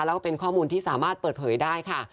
แล้วก็เป็นข้อมูลที่สามารถเปิดเผยได้ค่ะ